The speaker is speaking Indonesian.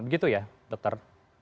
begitu ya dokter